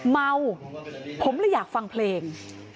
เมาผมเลยอยากฟังเพลง